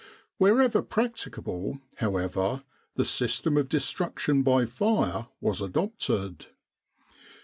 Wherever practicable, however, the system of destruction by fire was adopted.